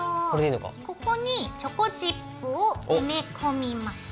ここにチョコチップを埋め込みます。